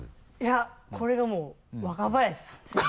これがもう若林さんですね。